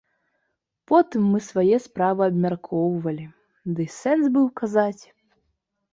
Потым мы свае справы абмяркоўвалі, ды й сэнс быў казаць?